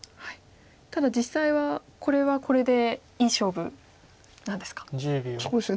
ただ実際はこれはこれでいい勝負なんですか。